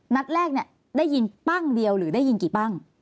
นัดแรกเนี่ยได้ยินปั้งเดียวหรือได้ยินกี่ปั้ง